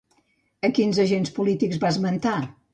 A quins agents polítics va esmentar?